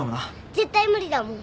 絶対無理だもん。